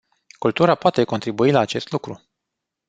Cultura poate contribui la acest lucru.